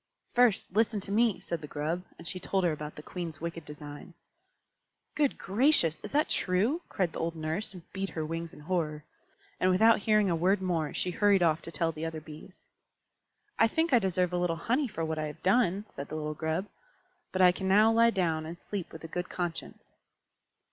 "First listen to me," said the Grub, and she told her about the Queen's wicked design. "Good gracious! is that true?" cried the old Nurse, and beat her wings in horror. And without hearing a word more, she hurried off to tell the other Bees. "I think I deserve a little honey for what I have done," said the little Grub. "But I can now lie down and sleep with a good conscience."